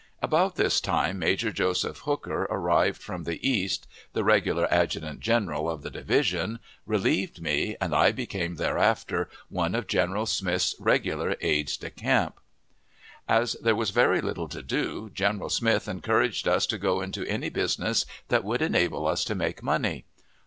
About this time Major Joseph Hooker arrived from the East the regular adjutant general of the division relieved me, and I became thereafter one of General Smith's regular aides de camp. As there was very little to do, General Smith encouraged us to go into any business that would enable us to make money.